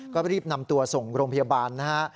ก็รีบนำตัวส่งโรงพยาบาลนะฮะ